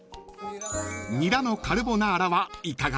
［ニラのカルボナーラはいかがですか？］